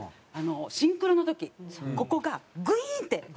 シンクロの時ここがグイーン！って